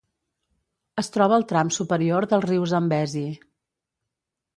Es troba al tram superior del riu Zambezi.